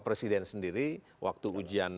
presiden sendiri waktu ujian